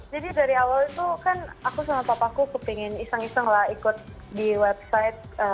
jadi dari awal itu kan aku sama papaku kepengen iseng iseng lah ikut di website